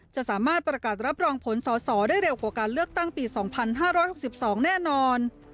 จะสามารถประกาศรับรองผลสอสอได้เร็วกว่าการเลือกตั้งปี๒๕๖๒แน่นอน